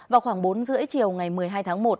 vào khoảng bốn h ba mươi chiều ngày một mươi hai tháng một